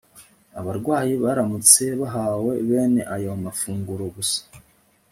Abarwayi baramutse bahawe bene aya mafunguro gusa